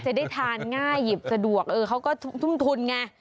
จะได้ทานง่ายหยิบสะดวกเออเขาก็ทุ่มทุนไง